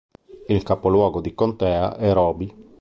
Il capoluogo di contea è Roby.